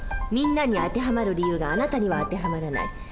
みんなに当てはまる理由があなたには当てはまらない。